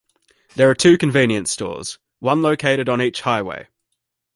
There are two convenience stores, one located on each highway.